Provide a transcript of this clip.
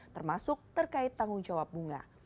termasuk terkait tanggung jawab bunga